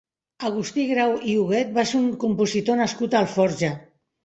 Agustí Grau i Huguet va ser un compositor nascut a Alforja.